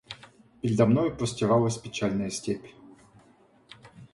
Передо мною простиралась печальная степь.